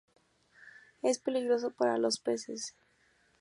Es peligroso para los peces.